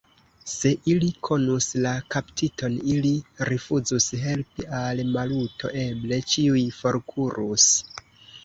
Se ili konus la kaptiton, ili rifuzus helpi al Maluto, eble ĉiuj forkurus.